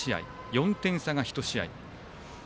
４点差が１試合。